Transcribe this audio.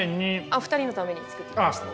お二人のために作ってきました。